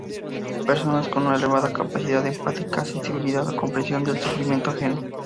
Personas con una elevada capacidad empática, sensibilidad o comprensión del sufrimiento ajeno.